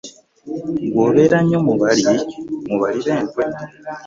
Gwe obeera nnyo mu bali b'enkwe.